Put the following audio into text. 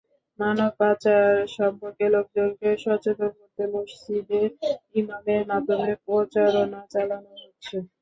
মানব পাচার সম্পর্কে লোকজনকে সচেতন করতে মসজিদে ইমামদের মাধ্যমে প্রচারণা চালানো হচ্ছে।